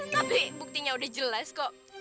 tapi buktinya udah jelas kok